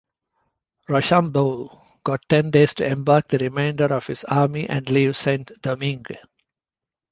Rochambeau got ten days to embark the remainder of his army and leave Saint-Domingue.